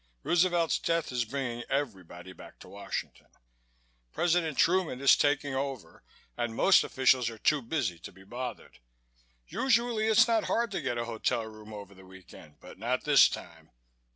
Roosevelt's death is bringing everybody back to Washington. President Truman is taking over and most officials are too busy to be bothered. Usually, it's not hard to get a hotel room over the week end but not this time.